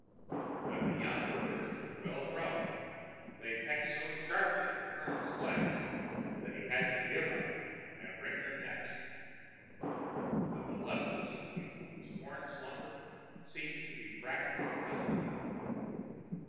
When the young birds were well grown, they pecked so sharply at the Colonel's legs that he had to get up and wring their necks. The malevolence of people who scorn slumber seems to be practically unlimited.